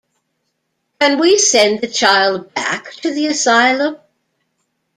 Can we send the child back to the asylum?